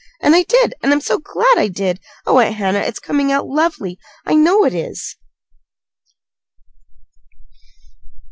And I did. And I'm so glad I did! Oh, Aunt Hannah, it's coming out lovely! I know it is."